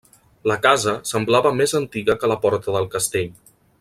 La casa semblava més antiga que la porta del castell.